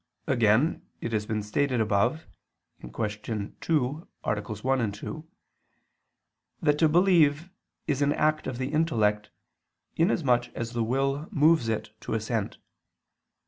Again, it has been stated above (Q. 2, AA. 1, 2) that to believe is an act of the intellect inasmuch as the will moves it to assent.